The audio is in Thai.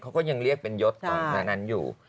เขาก็ยังเรียกเป็นยศก่อนหน้านั้นอยู่